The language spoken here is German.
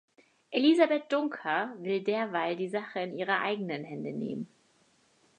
Elisabeth Dunker will derweil die Sache in ihre eigenen Hände nehmen.